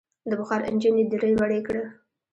د بخار انجن یې دړې وړې کړ.